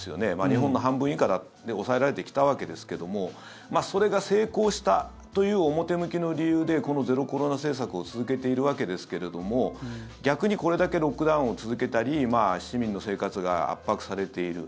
日本の半分以下で抑えられてきたわけですけどもそれが成功したという表向きの理由でこのゼロコロナ政策を続けているわけですけれども逆にこれだけロックダウンを続けたり市民の生活が圧迫されている。